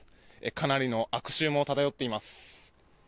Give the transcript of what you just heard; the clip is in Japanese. かなりの悪臭も漂っています。